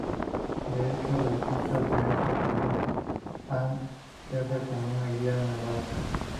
De hecho, las visitas a este cañón han de hacerse con un guía navajo.